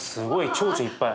ちょうちょいっぱい。